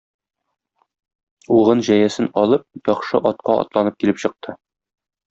Угын-җәясен алып, яхшы атка атланып килеп чыкты.